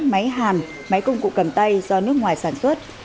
máy hàn máy công cụ cầm tay do nước ngoài sản xuất